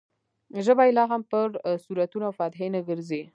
ژبه یې لا هم پر سورتونو او فاتحې نه ګرځي.